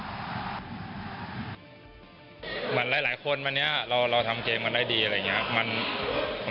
เหมือนหลายคนวันนี้เราทำเกมกันได้ดีอะไรอย่างนี้